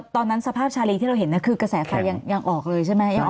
สภาพชาลีที่เราเห็นคือกระแสไฟยังออกเลยใช่ไหม